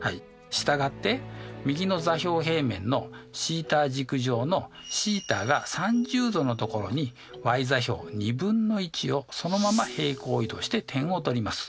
従って右の座標平面のθ軸上のθが３０°のところにｙ座標２分の１をそのまま平行移動して点を取ります。